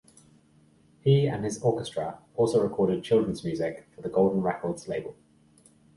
He and his orchestra also recorded children's music for the Golden Records label.